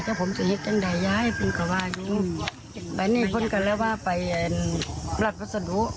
ลูกของผมต้องทางดายยาธุวงบกับเขาไปเนี่ยพวกมันก็เลือกว่าธนาไปนิยมพระพสดุ